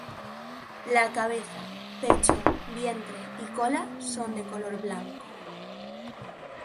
La cabeza, pecho, vientre y cola son de color blanco.